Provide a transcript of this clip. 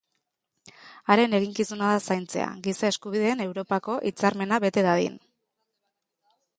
Haren eginkizuna da zaintzea Giza Eskubideen Europako Hitzarmena bete dadin.